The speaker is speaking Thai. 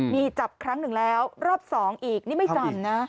มีจับครั้งหนึ่งแล้วรอบ๒อีกนี่ไม่จำนะ